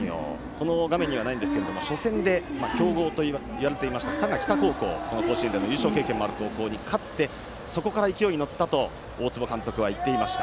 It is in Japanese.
この画面にはないんですが初戦で強豪といわれていました佐賀北高校甲子園でも優勝経験のある高校に勝ってそこから勢いに乗ったと大坪監督は言っていました。